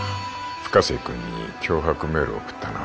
深瀬君に脅迫メールを送ったのは